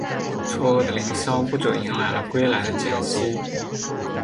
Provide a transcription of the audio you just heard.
错愕的林萧不久迎来了归来的简溪。